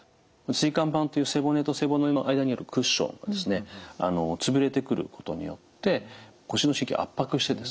椎間板という背骨と背骨の間にあるクッションがですね潰れてくることによって腰の神経を圧迫してですね